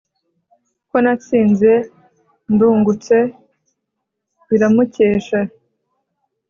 ko natsinze ndungutse, biramukesha.